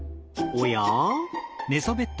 おや？